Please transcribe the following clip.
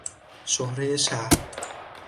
شهرهی شهر